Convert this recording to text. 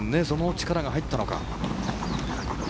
その力が入ったのか。